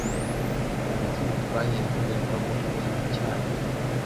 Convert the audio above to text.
niki bitwaye indorerwamo igihu cyacyo